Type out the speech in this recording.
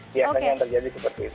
biasanya yang terjadi seperti itu